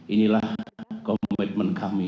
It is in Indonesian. inilah komitmen kami